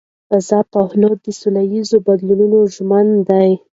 رضا پهلوي د سولهییز بدلون ژمن دی.